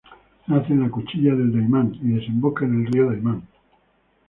Nace en la Cuchilla del Daymán y desemboca en el río Daymán.